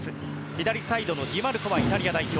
左サイドのディマルコはイタリア代表。